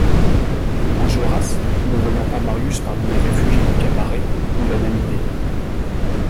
Enjolras, ne voyant pas Marius parmi les réfugiés du cabaret, eut la même idée.